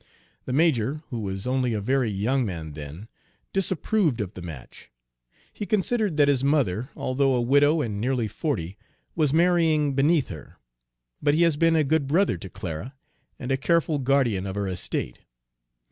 The major, who was only a very young man then, disapproved of the match; he considered that his mother, although a widow and nearly forty, was marrying beneath her. But he has been a good brother to Clara, and a careful guardian of her estate.